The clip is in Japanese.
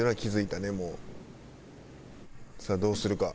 さあどうするか？